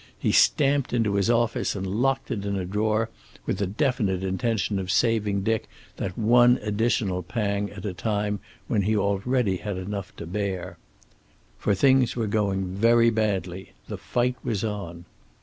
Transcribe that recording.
He stamped into his office and locked it in a drawer, with the definite intention of saving Dick that one additional pang at a time when he already had enough to hear. For things were going very badly. The fight was on.